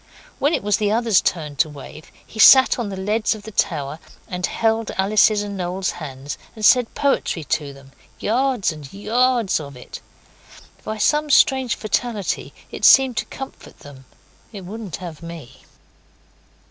When it was the others' turn to wave, he sat on the leads of the tower and held Alice's and Noel's hands, and said poetry to them yards and yards of it. By some strange fatality it seemed to comfort them. It wouldn't have me.